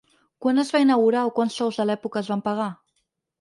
Quan es va inaugurar o quants sous de l’època es van pagar?